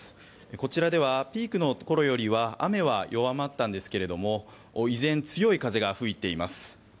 こちらではピークの頃よりは雨は弱まったんですが依然、強い風が吹いています。